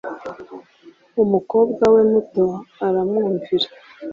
umukobwa we muto aramwumvira